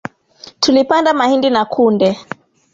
Tulipanda mahindi na kunde